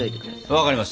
分かりました。